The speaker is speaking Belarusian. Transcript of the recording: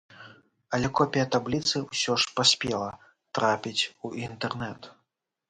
Але копія табліцы ўсё ж паспела трапіць у інтэрнэт.